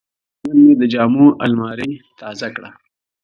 نن مې د جامو الماري تازه کړه.